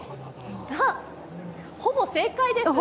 ほぼ正解です。